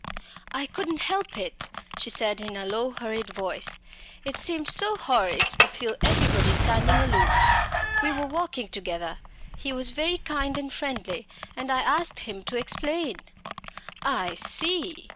"I couldn't help it," she said in a low hurried voice. "It seemed so horrid to feel everybody standing aloof we were walking together he was very kind and friendly and I asked him to explain." "I see!"